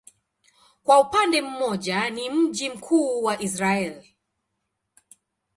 Kwa upande mmoja ni mji mkuu wa Israel.